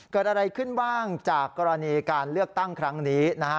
เกิดอะไรขึ้นบ้างจากกรณีการเลือกตั้งครั้งนี้นะฮะ